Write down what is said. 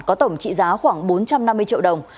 có tổng trị giá khoảng bốn trăm năm mươi triệu đồng